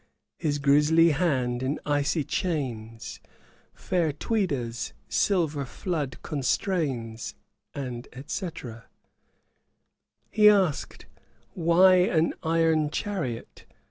His grisly hand in icy chains Fair Tweeda's silver flood constrains,' &c. He asked why an 'iron chariot'?